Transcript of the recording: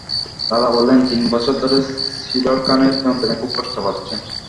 দাদা বললেন, তিন বছর ধরে সিডর কানের যন্ত্রণায় খুব কষ্ট পাচ্ছে।